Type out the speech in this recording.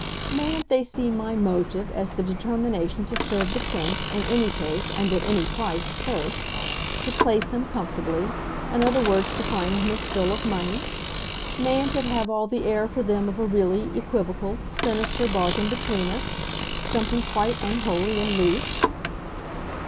"Mayn't they see my motive as the determination to serve the Prince, in any case, and at any price, first; to 'place' him comfortably; in other words to find him his fill of money? Mayn't it have all the air for them of a really equivocal, sinister bargain between us something quite unholy and louche?"